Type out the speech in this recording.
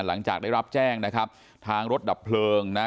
หลังจากได้รับแจ้งนะครับทางรถดับเพลิงนะฮะ